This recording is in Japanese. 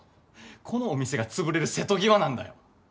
このお店が潰れる瀬戸際なんだよ。